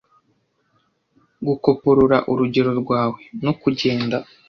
Gukoporora urugero rwawe, no kugenda